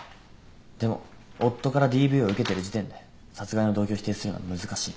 でも夫からＤＶを受けてる時点で殺害の動機を否定するのは難しい。